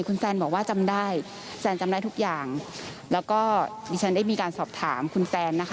คุณแซนบอกว่าจำได้แซนจำได้ทุกอย่างแล้วก็ดิฉันได้มีการสอบถามคุณแซนนะคะ